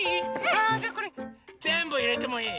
あじゃあこれぜんぶいれてもいい？